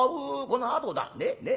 このあとだね？ね？